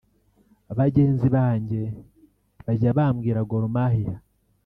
Bagenzi banjye bajya bambwira Gor Mahia